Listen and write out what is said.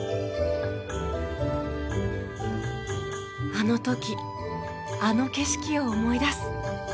あの時あの景色を思い出す。